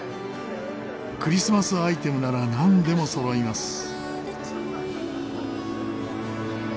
クリスマスアイテムならなんでもそろいます。